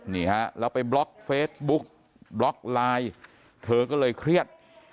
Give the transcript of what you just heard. นี่ฮะแล้วไปบล็อกเฟซบุ๊กบล็อกไลน์เธอก็เลยเครียด